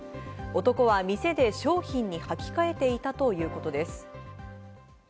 男は店で商品にはき替えていたということです。